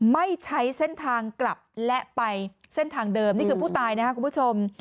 ไม่ใช้เส้นทางกลับและไปเส้นทางเดิมนี่คือผู้ตายนะครับคุณผู้ชม